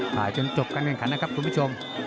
ถ่ายจนจบการแข่งขันนะครับคุณผู้ชม